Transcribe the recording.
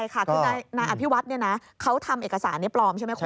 คือนายอภิวัฒน์เขาทำเอกสารนี้ปลอมใช่ไหมคุณ